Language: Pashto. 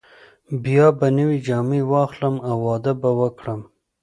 بیا به نوې جامې واخلم او واده به وکړم.